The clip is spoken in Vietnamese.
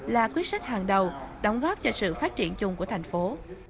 là quyết sách hàng đầu đóng góp cho sự phát triển chung của thành phố